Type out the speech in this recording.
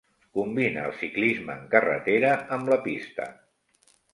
Combina el ciclisme en carretera amb la pista.